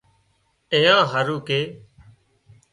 اي اين هارو ڪي